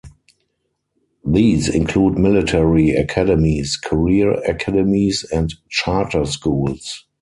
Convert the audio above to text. These include military academies, career academies, and charter schools.